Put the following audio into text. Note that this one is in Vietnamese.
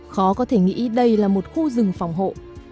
khó có thể nghĩ đây là một khu rừng phòng hộ